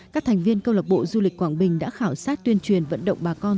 các thành viên câu lạc bộ du lịch quảng bình đã khảo sát tuyên truyền vận động bà con